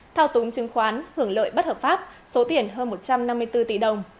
thao túng chứng khoán hưởng lợi bất hợp pháp số tiền hơn một trăm năm mươi bốn tỷ đồng